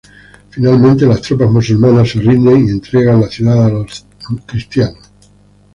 Finalmente las tropas musulmanas se rinden y entregan la ciudad a los cristianos.